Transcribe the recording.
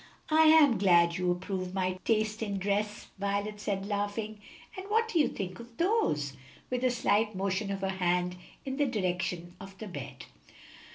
"I am glad you approve my taste in dress," Violet said, laughing. "And what do you think of those?" with a slight motion of her hand in the direction of the bed.